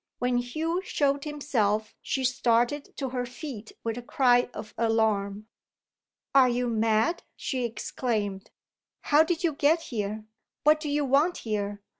When Hugh showed himself she started to her feet with a cry of alarm. "Are you mad?" she exclaimed. "How did you get here? What do you want here?